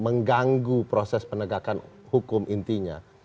mengganggu proses penegakan hukum intinya